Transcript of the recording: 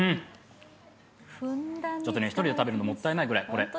１人で食べるのもったいないくらい。